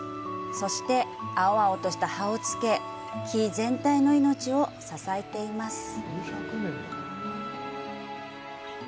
そして、青々とした葉をつけ木全体の命を支えています。